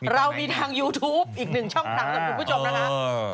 เรามีทางยูทูปอีกหนึ่งช่องทางกับคุณผู้ชมนะคะ